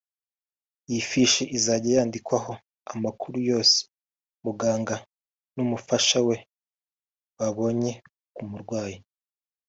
Iyi fishi izajya yandikwaho amakuru yose umuganga n’umufasha we babonye ku murwayi